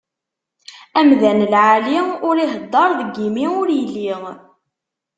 Amdan lɛali, ur iheddeṛ deg imi ur ili.